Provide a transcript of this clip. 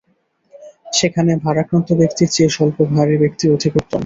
সেখানে ভারাক্রান্ত ব্যক্তির চেয়ে স্বল্পভারী ব্যক্তি অধিক উত্তম।